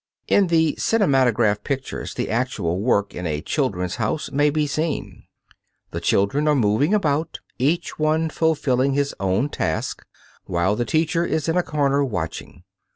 In the cinematograph pictures the actual work in a "Children's House" may be seen. The children are moving about, each one fulfilling his own task, whilst the teacher is in a corner watching.